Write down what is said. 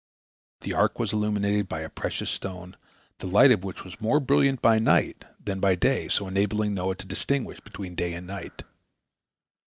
The ark was illuminated by a precious stone, the light of which was more brilliant by night than by day, so enabling Noah to distinguish between day and night.